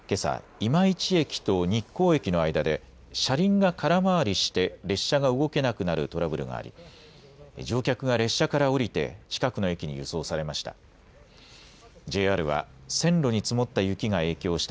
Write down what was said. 今市駅と日光駅の間で車輪が空回りして列車が動けなくなるトラブルがあり乗客が列車から降りて近くの駅に輸送されました。